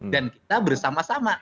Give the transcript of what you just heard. dan kita bersama sama